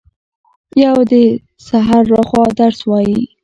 یو د سحر لخوا درس وايي